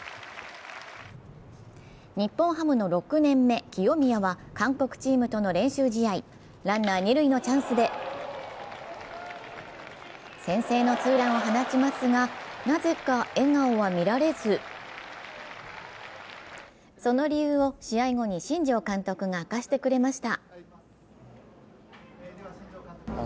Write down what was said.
日本ハムの６年目・清宮は韓国チームとの練習試合、ランナー二塁のチャンスで先制のツーランを放ちますが、なぜか笑顔は見られずその理由を試合後に新庄監督が明かしてくれました。